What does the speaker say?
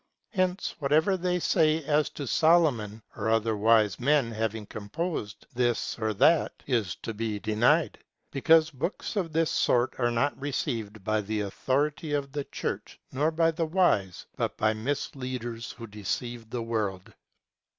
Hence, whatever they say as to Solomon or other wise men having composed this or that, is to be denied; because books of this sort are not received by the authority of the Church, nor by the wise, but by mis leaders who deceive the world.